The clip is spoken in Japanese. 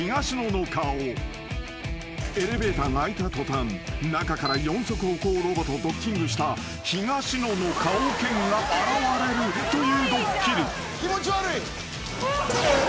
［エレベーターが開いた途端中から四足歩行ロボとドッキングした東野の顔犬が現れるというドッキリ］